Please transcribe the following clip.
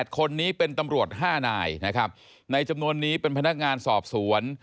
คนนี้เป็นตำรวจ๕นายนะครับในจำนวนนี้เป็นพนักงานสอบสวน